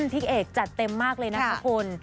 พี่เอกจัดเต็มมากเลยนะคะคุณ